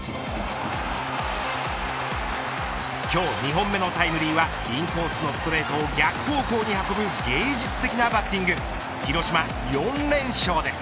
今日２本目のタイムリーはインコースのストレートを逆方向に運ぶ芸術的なバッティング。